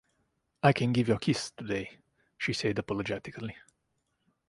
“I can give you a kiss today,” she said apologetically.